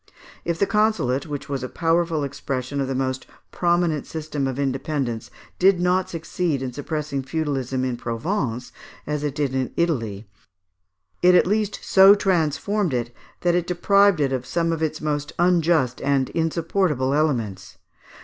If the consulate, which was a powerful expression of the most prominent system of independence, did no succeed in suppressing feudalism in Provence as in Italy, it at least so transformed it, that it deprived it of its most unjust and insupportable elements.